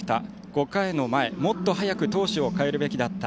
５回の前、もっと早く投手を代えるべきだった。